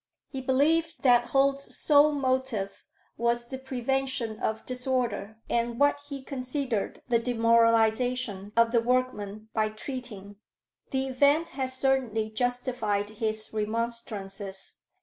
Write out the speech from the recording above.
He believed that Holt's sole motive was the prevention of disorder, and what he considered the demoralization of the workmen by treating. The event had certainly justified his remonstrances.